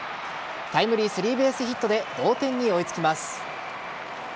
タイムリースリーベースヒットで同点に追いつきます。